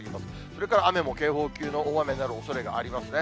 それから雨も警報級の大雨になるおそれがありますね。